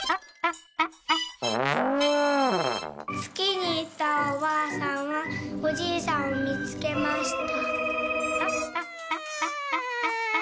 「つきにいったおばあさんはおじいさんをみつけました」。